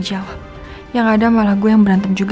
ditalankan setelah tidak berlalu